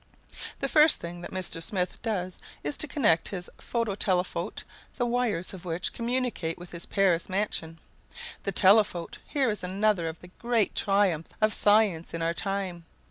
The first thing that Mr. Smith does is to connect his phonotelephote, the wires of which communicate with his Paris mansion. The telephote! Here is another of the great triumphs of science in our time.